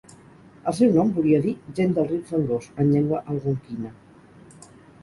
El seu nom volia dir "gent del riu fangós" en llengua algonquina.